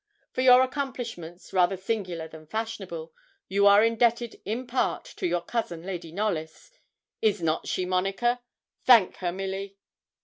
For your accomplishments rather singular than fashionable you are indebted, in part, to your cousin, Lady Knollys. Is not she, Monica? Thank her, Milly.'